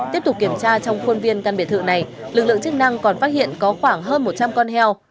tiếp tục kiểm tra trong khuôn viên căn biệt thự này lực lượng chức năng còn phát hiện có khoảng hơn một trăm linh con heo